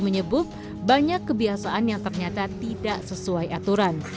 menyebut banyak kebiasaan yang ternyata tidak sesuai aturan